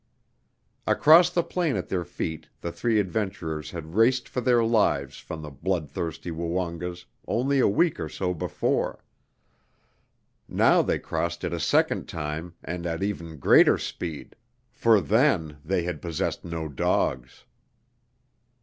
Across the plain at their feet the three adventurers had raced for their lives from the bloodthirsty Woongas only a week or so before; now they crossed it a second time and at even greater speed, for then they had possessed no dogs.